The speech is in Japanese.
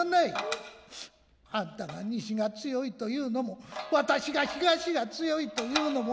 あんたが西が強いと言うのも私が東が強いと言うのも。